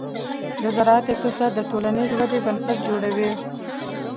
د زراعت اقتصاد د ټولنیزې ودې بنسټ جوړوي.